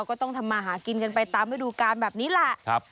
ก็ต้องทำมาหากินกันไปตามฤดูการแบบนี้แหละ